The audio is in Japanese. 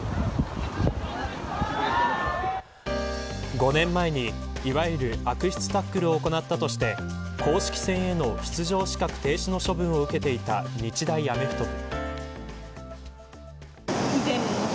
５年前に、いわゆる悪質タックルを行ったとして公式戦への出場資格停止処分を受けていた日大アメフト部。